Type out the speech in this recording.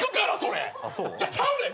ちゃうねん。